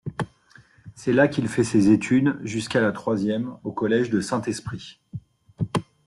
C’est là qu’il fait ses études jusqu’à la troisième, au collège de Saint-Esprit.